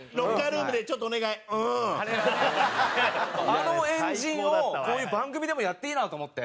あの円陣をこういう番組でもやっていいなと思って。